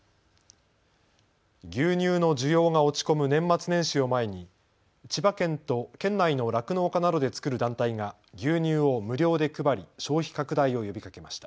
牛乳の需要が落ち込む年末年始を前に千葉県と県内の酪農家などで作る団体が牛乳を無料で配り消費拡大を呼びかけました。